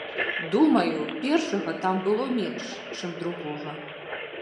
Думаю, першага там было менш, чым другога.